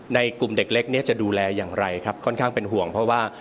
ในกลุ่มเด็กเล็กเนี่ยจะดูแลอย่างไรครับค่อนข้างเป็นห่วงเพราะว่า